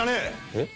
えっ？